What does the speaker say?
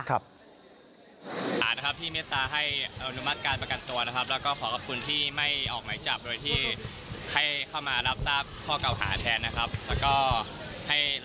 อื่นได้เพิ่มเติมก็สามารถติดต่อเข้ามาได้โดยศรรอด